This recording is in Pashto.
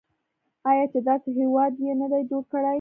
آیا چې داسې هیواد یې نه دی جوړ کړی؟